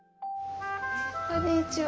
こんにちは。